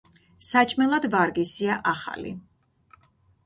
საჭმელად ვარგისია ახალი.